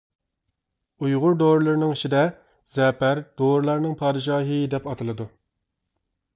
ئۇيغۇر دورىلىرى ئىچىدە زەپەر «دورىلارنىڭ پادىشاھى» دەپ ئاتىلىدۇ.